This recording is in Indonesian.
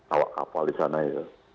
awak kapal di sana ya